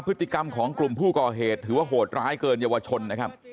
พฤติกรรมของกลุ่มผู้ก่อเหตุถือว่าโหดร้ายเกินเยาวชนนะครับ